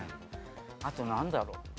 あとなんだろう？